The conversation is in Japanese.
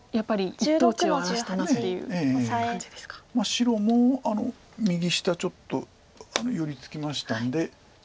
白も右下ちょっと寄り付きましたんで。